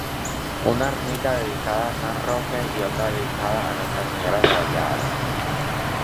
Una ermita dedicada a San Roque y otra dedicada a nuestra Señora de Vallada.